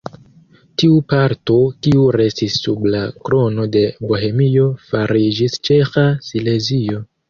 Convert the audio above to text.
Tiu parto kiu restis sub la Krono de Bohemio fariĝis Ĉeĥa Silezio.